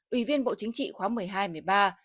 ủy viên bộ chính trị khóa một mươi hai một mươi ba